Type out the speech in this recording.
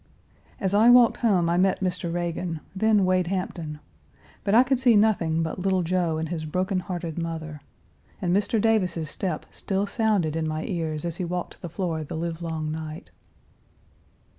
As I walked home I met Mr. Reagan, then Wade Hampton. But I could see nothing but little Joe and his brokenhearted mother. And Mr. Davis's step still sounded in my ears as he walked that floor the livelong night.